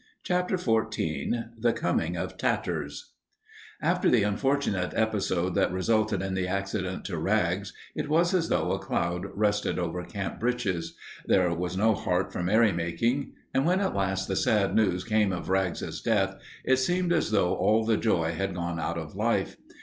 CHAPTER XIV THE COMING OF TATTERS After the unfortunate episode that resulted in the accident to Rags, it was as though a cloud rested over Camp Britches. There was no heart for merrymaking. And when at last the sad news came of Rags's death, it seemed as though all the joy had gone out of life.